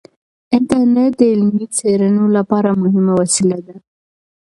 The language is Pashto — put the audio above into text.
انټرنیټ د علمي څیړنو لپاره مهمه وسیله ده.